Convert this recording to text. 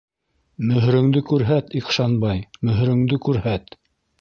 Мөһөрөңдө күрһәт, Ихшанбай, мөһөрөңдө күрһәт!